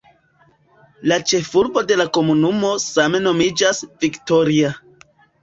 La ĉefurbo de la komunumo same nomiĝas "Victoria".